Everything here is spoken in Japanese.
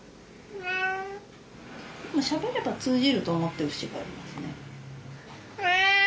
しゃべれば通じると思ってる節がありますね。